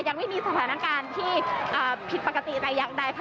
ยังไม่มีสถานการณ์ที่ผิดปกติแต่อย่างใดค่ะ